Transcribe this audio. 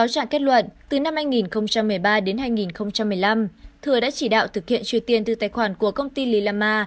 cáo trạng kết luận từ năm hai nghìn một mươi ba đến hai nghìn một mươi năm thừa đã chỉ đạo thực hiện truyền tiền từ tài khoản của công ty lillama